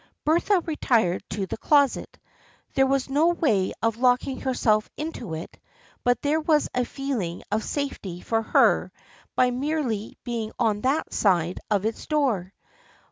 Bertha retired to the closet. There was no way of locking herself into it, but there was a feeling of safety for her by merely being on that side of its door.